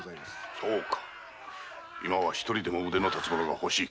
そうか今は一人でも腕の立つ者が欲しい。